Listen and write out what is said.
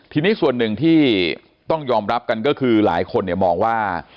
ทีนี้ส่วนหนึ่งที่ต้องยอมรับกันก็คือหลายคนมองว่า